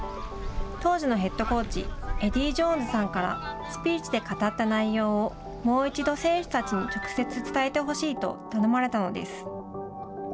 当時のヘッドコーチエディー・ジョーンズさんからスピーチで語った内容をもう一度、選手たちに直接伝えてほしいと頼まれたのです。